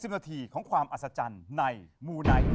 นาทีของความอัศจรรย์ในมูไนท์